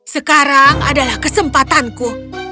sekarang adalah kesempatanku